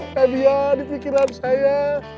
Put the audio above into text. kebiayaan di pikiran saya